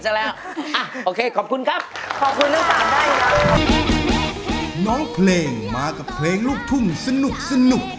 จะมากับเพลงลูกทุ่งสนุก